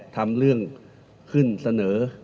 ทำเรื่องขึ้นเสนอ